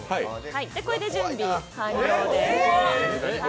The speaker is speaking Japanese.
これで準備完了です。